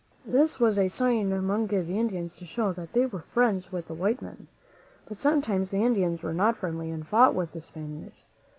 This was a sign among the Indians to show that they were friends with the white men. But sometimes the Indians were not friendly and fought with the Spaniards.